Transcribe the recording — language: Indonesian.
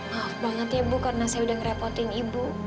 maaf banget ya bu karena saya udah ngerepotin ibu